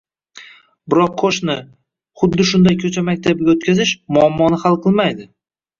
Biroq qo‘shni, xuddi shunday “ko‘cha” maktabiga o‘tkazish, muammoni hal qilmaydi.